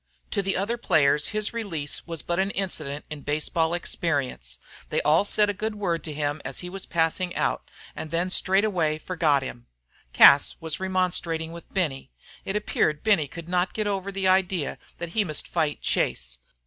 To the other players his release was but an incident in baseball experience; they all said a good word to him as he was passing out, and then straightway forgot him. Cas was remonstrating with Benny. It appeared Benny could not get over the idea that he must fight Chase.